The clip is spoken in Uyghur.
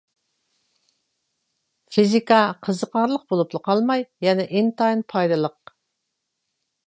فىزىكا قىزىقارلىق بولۇپلا قالماي، يەنە ئىنتايىن پايدىلىق.